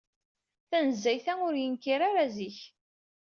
Tanezzayt-a, ur yenkir ara zik.